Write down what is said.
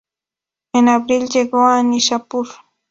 En abril llegó a Nishapur.